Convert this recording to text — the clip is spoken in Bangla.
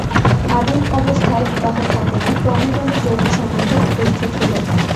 আদিম অবস্থায় বিবাহ থাকে না, ক্রমে ক্রমে যৌনসম্বন্ধ উপস্থিত হল।